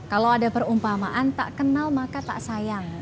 kalau ada perumpamaan tak kenal maka tak sayang